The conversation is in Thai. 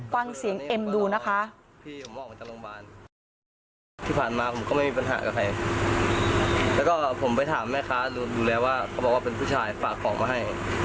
ฟังเสียงเอ็มดูนะคะ